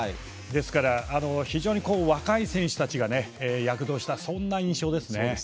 ですから、非常に若い選手たちが躍動したそんな印象ですね。